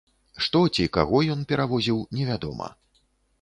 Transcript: Што ці каго ён перавозіў, невядома.